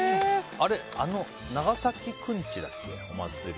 長崎くんちだっけ、お祭り。